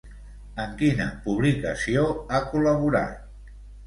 En quina publicació ha col·laborat?